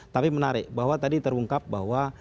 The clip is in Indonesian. tapi menarik bahwa tadi terungkap bahwa